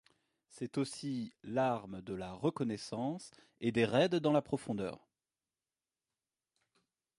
C'est aussi l'arme de la reconnaissance et des raids dans la profondeur.